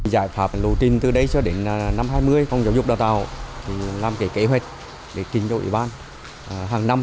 giải pháp lưu trình từ đấy cho đến năm hai nghìn hai mươi phòng giáo dục đào tàu làm kế hoạch để kính cho ủy ban hàng năm